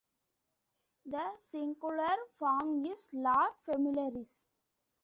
The singular form is "Lar Familiaris".